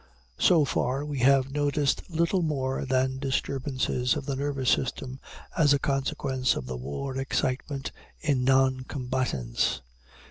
So far we have noticed little more than disturbances of the nervous system as a consequence of the war excitement in non combatants.